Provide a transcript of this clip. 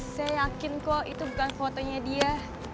saya yakin kok itu bukan fotonya dia